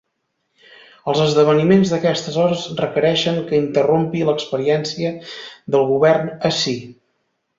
Els esdeveniments d’aquestes hores requereixen que interrompi l’experiència del govern ací.